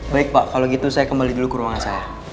baik pak kalau gitu saya kembali dulu ke ruangan saya